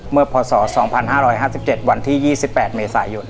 เมื่อพศ๒๕๕๗วที่๒๘เมษายน